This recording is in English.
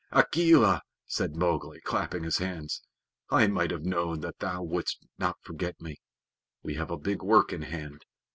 Akela!" said Mowgli, clapping his hands. "I might have known that thou wouldst not forget me. We have a big work in hand.